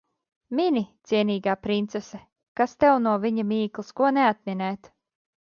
Mini, cienīgā princese. Kas tev no viņa mīklas ko neatminēt.